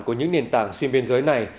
của những nền tảng xuyên biên giới này